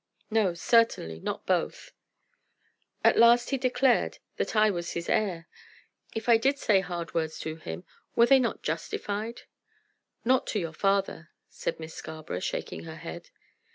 "No, certainly, not both." "At last he declared that I was his heir. If I did say hard words to him, were they not justified?" "Not to your father," said Miss Scarborough, shaking her head.